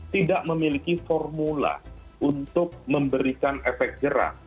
tidak memiliki formula untuk memberikan efek jerah